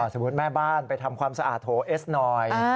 สมมุติแม่บ้านไปทำความสะอาดโทเอสหน่อย